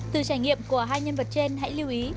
từ trải nghiệm của hai nhân vật trên hãy lưu ý